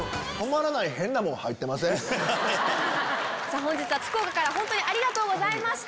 本日は福岡から本当にありがとうございました。